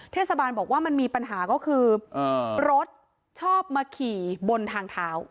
เทศบาลบอกว่ามันมีปัญหาก็คือรถชอบมาขี่บนทางเท้า